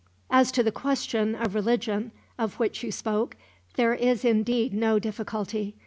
"As to the question of religion, of which you spoke, there is indeed no difficulty.